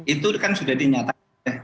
itu kan sudah dinyatakan